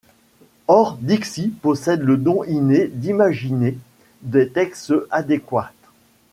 Or Dixie possède le don inné d'imaginer des textes adéquats.